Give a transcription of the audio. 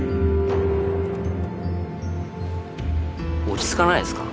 落ち着かないですか？